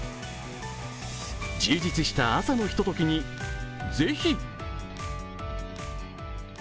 充実した朝のひとときに是非！